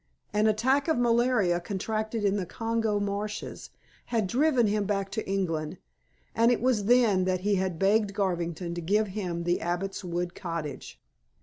An attack of malaria contracted in the Congo marshes had driven him back to England, and it was then that he had begged Garvington to give him The Abbot's Wood Cottage.